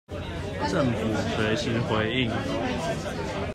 政府隨時回應